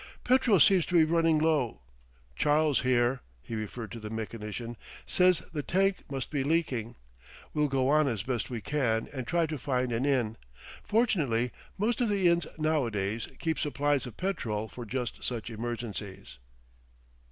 "Petrol seems to be running low. Charles here" (he referred to the mechanician) "says the tank must be leaking. We'll go on as best we can and try to find an inn. Fortunately, most of the inns nowadays keep supplies of petrol for just such emergencies."